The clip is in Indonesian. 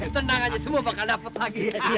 tenang aja semua bakal dapat lagi